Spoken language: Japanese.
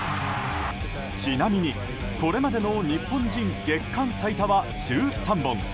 ちなみに、これまでの日本人月間最多は１３本。